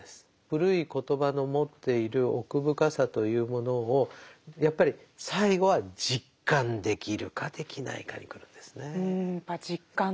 古い言葉の持っている奥深さというものをやっぱり最後は実感できるかできないかにくるんですね。